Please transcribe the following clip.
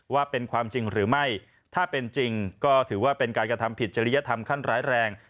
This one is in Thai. ว่าเป็นความจริงหรือไม่ถ้าเป็นจริงก็ถือว่าเป็นการกระทำผิดจริยธรรมขั้นร้ายแรง